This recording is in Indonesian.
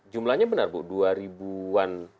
jumlahnya benar bu dua ribuan